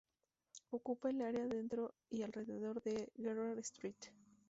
Ocupa el área dentro y alrededor de Gerrard Street.